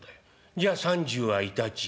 「じゃあ３０はいたち」。